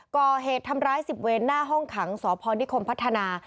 ก่อเหตุทำร้าย๑๐เวนหน้าห้องขังสพนิคมพัฒนา